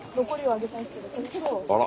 あら。